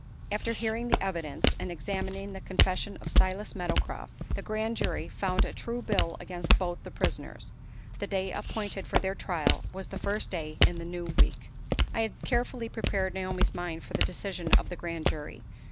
After hearing the evidence, and examining the confession of Silas Meadowcroft, the grand jury found a true bill against both the prisoners. The day appointed for their trial was the first day in the new week. I had carefully prepared Naomi's mind for the decision of the grand jury.